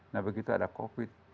nah begitu ada covid